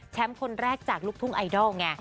คนแรกจากลูกทุ่งไอดอลไง